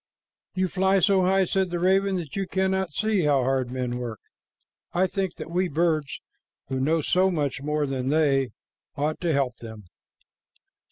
"You fly so high," said the raven, "that you cannot see how hard men work. I think that we birds, who know so much more than they, ought to help them."